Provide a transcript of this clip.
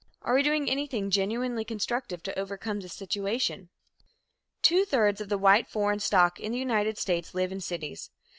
Are we doing anything genuinely constructive to overcome this situation? Two thirds of the white foreign stock in the United States live in cities.